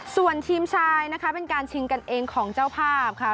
ส่วนทีมชายนะคะเป็นการชิงกันเองของเจ้าภาพค่ะ